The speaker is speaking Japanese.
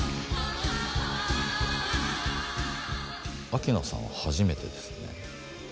明菜さんは初めてですね。